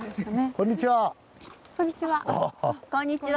こんにちは。